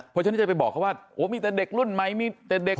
เพราะฉะนั้นจะไปบอกเขาว่าโอ้มีแต่เด็กรุ่นใหม่มีแต่เด็ก